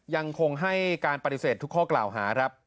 ยังคงให้การปฏิเสธทุกข้อกล่าวหาครับ